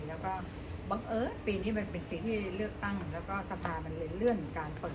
แล้วก็บังเอิญปีนี้มันเป็นปีที่เลือกตั้งแล้วก็สภามันเลยเลื่อนการเปิด